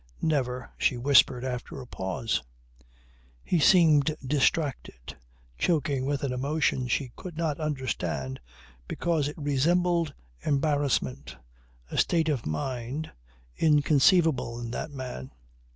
"Never," she whispered after a pause. He seemed distracted, choking with an emotion she could not understand because it resembled embarrassment, a state of mind inconceivable in that man.